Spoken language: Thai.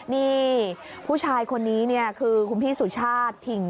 นี่ผู้ชายคนนี้คือคุณพี่สุชาติ